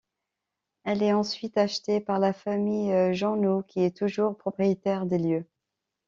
Elle est ensuite achetée par la famille Jeanneau, qui est toujours propriétaire des lieux.